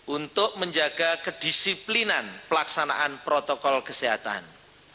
untuk menjaga kedisiplinan pelaksanaan protokol kesehatan